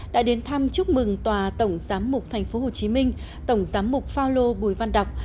đã đến thăm chúc mừng tòa tổng giám mục tp hcm tổng giám mục phao lô bùi văn đọc